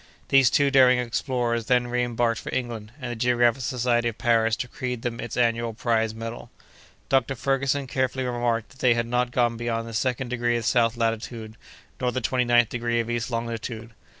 These two daring explorers then reembarked for England; and the Geographical Society of Paris decreed them its annual prize medal. Dr. Ferguson carefully remarked that they had not gone beyond the second degree of south latitude, nor the twenty ninth of east longitude.